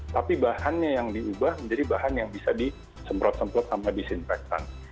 tapi bahannya yang diubah menjadi bahan yang bisa disemprot semprot sama disinfektan